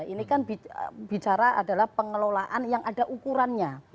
ini kan bicara adalah pengelolaan yang ada ukurannya